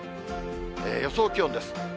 予想気温です。